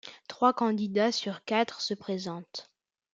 Trois candidats sur quatre se présentent...